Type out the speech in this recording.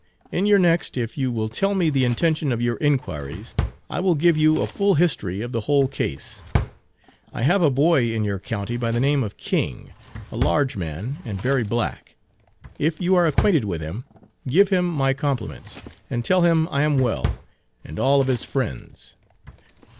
In your next if you will tell me the intention of your inquiries, I will give you a full history of the whole case. I have a boy in your county by the name of King, a large man and very black; if you are acquainted with him, give him my compliments, and tell him I am well, and all of his friends.